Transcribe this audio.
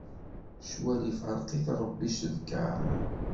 Ccwal ifṛeq-it Ṛebbi s lkaṛ.